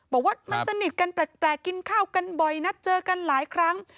บอกว่ามันสนิทกันแปลกกินข้าวกันบ่อยนัดเจอกันหลายครั้ง